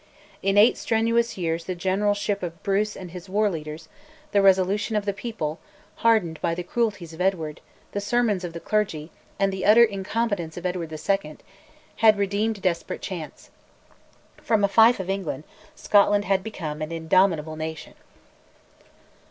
In eight strenuous years the generalship of Bruce and his war leaders, the resolution of the people, hardened by the cruelties of Edward, the sermons of the clergy, and the utter incompetence of Edward II., had redeemed a desperate chance. From a fief of England, Scotland had become an indomitable nation.